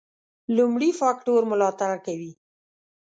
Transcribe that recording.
لومړي فکټور ملاتړ کوي.